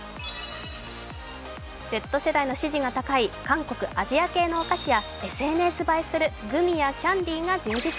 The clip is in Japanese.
Ｚ世代の支持が高い韓国・アジア系のお菓子やＳＮＳ映えするグミやキャンディが充実。